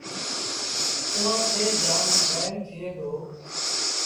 اُئآݩ کي جآم وهيم ٿئي دو